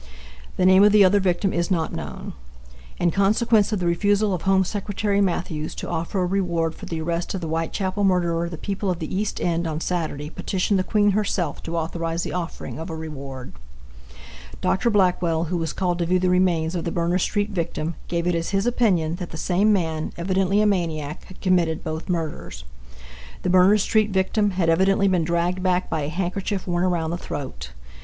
The name of the other victim is not known. In consequence of the refusal of Home Secretary Matthews to offer a reward for the arrest of the Whitechapel murderer the people of the East End on Saturday petitioned the Queen herself to authorize the offering of a reward. Dr. Blackwell, who was called to view the remains of the Berners street victim, gave it as his opinion that the same man, evidently a maniac, had committed both murders. The Berners street victim had evidently been dragged back by a handkerchief worn around the throat.